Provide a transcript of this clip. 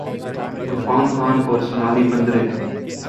عرفان خان اور سونالی بیندر ے